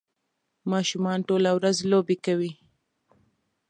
ماشومان ټوله ورځ لوبې کوي